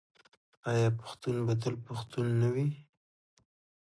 آیا پښتون به تل پښتون نه وي؟